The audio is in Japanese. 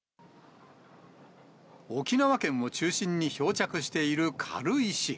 沖縄県を中心に漂着している軽石。